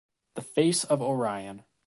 The face of Orion.